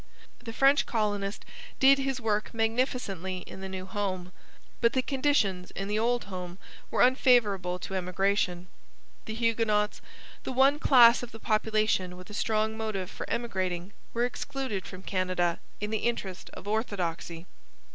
The French colonist did his work magnificently in the new home. But the conditions in the old home were unfavourable to emigration. The Huguenots, the one class of the population with a strong motive for emigrating, were excluded from Canada in the interest of orthodoxy.